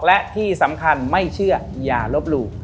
และที่สำคัญไม่เชื่ออย่าลบหลู่